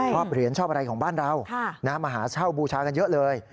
เหรียญชอบอะไรของบ้านเรามาหาเช่าบูชากันเยอะเลย